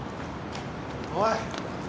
おい！